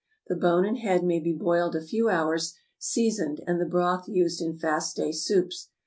(The bone and head may be boiled a few hours, seasoned, and the broth used in fast day soups.)